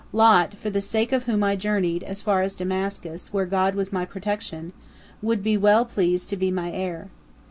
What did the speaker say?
Lot, for the sake of whom I journeyed as far as Damascus, where God was my protection, would be well pleased to be my heir.